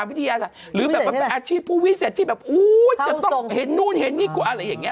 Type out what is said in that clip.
วิทยาศาสตร์หรือแบบว่าเป็นอาชีพผู้วิเศษที่แบบอุ้ยจะต้องเห็นนู่นเห็นนี่กลัวอะไรอย่างนี้